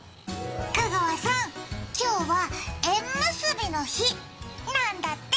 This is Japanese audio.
香川さん、今日は縁結びの日なんだって。